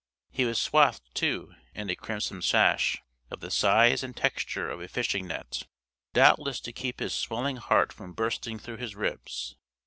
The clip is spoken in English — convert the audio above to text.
He was swathed too in a crimson sash, of the size and texture of a fishing net; doubtless to keep his swelling heart from bursting through his ribs.